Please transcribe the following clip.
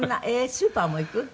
スーパーも行く？